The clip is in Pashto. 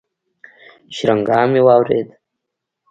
شرنگا مې واورېد.